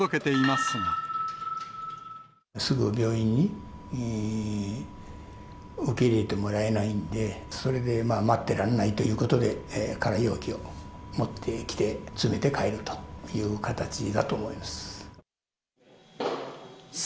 すぐ病院に受け入れてもらえないんで、それで待ってられないということで、空容器を持ってきて、詰めて帰るという形だと思います。